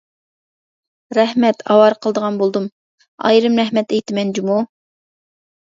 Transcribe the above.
رەھمەت، ئاۋارە قىلىدىغان بولدۇم، ئايرىم رەھمەت ئېيتىمەن جۇمۇ!